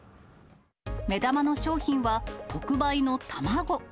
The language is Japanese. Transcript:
目玉の商品は、特売の卵。